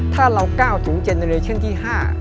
ถ้าเราก้าวถึงเจนเดเรชั่นที่๕